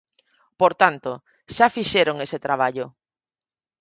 Por tanto, xa fixeron ese traballo.